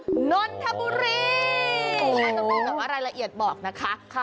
แล้วต้องกลับมารายละเอียดบอกนะคะ